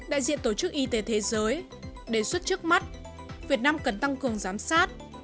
đại diện tổ chức y tế thế giới đề xuất trước mắt việt nam cần tăng cường giám sát